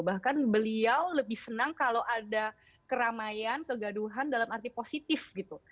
bahkan beliau lebih senang kalau ada keramaian kegaduhan dalam arti positif gitu